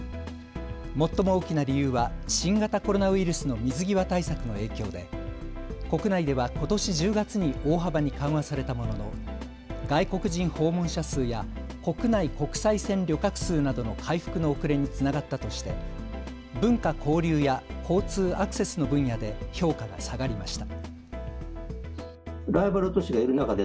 最も大きな理由は新型コロナウイルスの水際対策の影響で国内ではことし１０月に大幅に緩和されたものの外国人訪問者数や国内・国際線旅客数などの回復の遅れにつながったとして文化・交流や交通・アクセスの分野で評価が下がりました。